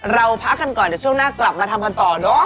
เราพักกันก่อนเดี๋ยวช่วงหน้ากลับมาทำกันต่อเนอะ